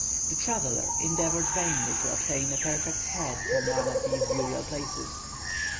The traveller endeavoured vainly to obtain a perfect head from one of these burial places.